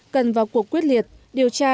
cần vào cuộc quyết liệt điều tra